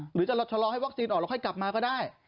หรือจะชะลอให้วัคซีนออกแล้วค่อยกลับมาก็ได้